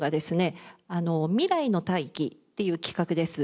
「未来の大器」っていう企画です。